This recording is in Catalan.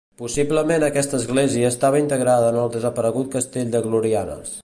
Possiblement aquesta església estava integrada en el desaparegut Castell de Glorianes.